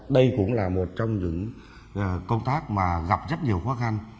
đây cũng là một trong những công tác mà gặp rất nhiều khó khăn